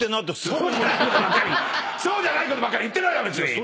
そうじゃないことばっかり言ってないわ別に。